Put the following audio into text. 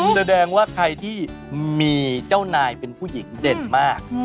แสดงว่าใครที่มีเจ้านายเป็นผู้หญิงเด่นมาก